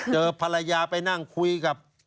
เจอภรรยาไปนั่งคุยกับ